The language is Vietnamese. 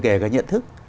kể cả nhận thức